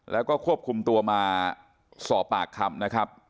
แล้วก็ควบคุมตัวมาสอบปากคำนะครับ